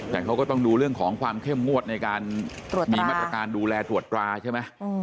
แต่เขาก็ต้องดูเรื่องของความเข้มงวดในการมีมาตรการดูแลตรวจตราใช่ไหม